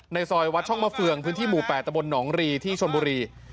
ซอยวัดช่องมะเฟืองพื้นที่หมู่๘ตะบลหนองรีที่ชนบุรี